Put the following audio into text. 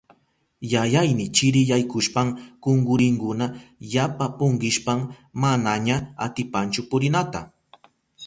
Yayayni chiri yaykushpan kunkurinkuna yapa punkishpan manaña atipanchu purinata.